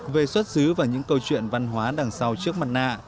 về xuất xứ và những câu chuyện văn hóa đằng sau trước mặt nạ